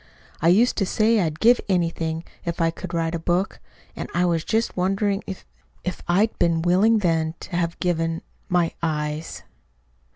I used to say I'd give anything if I could write a book; and I was just wondering if if I'd been willing then to have given my eyes!"